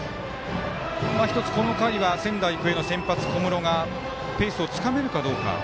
１つ、この回は仙台育英の先発小室がペースをつかめるかどうか。